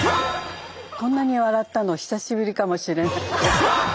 こんなに笑ったの久しぶりかもしれない。